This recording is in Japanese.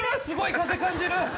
すごい風感じる。